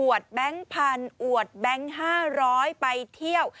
อวดแบงค์พันธุ์อวดแบงค์ห้าร้อยไปเที่ยว